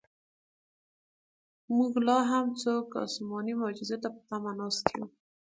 موږ لاهم څوک اسماني معجزو ته په تمه ناست یو.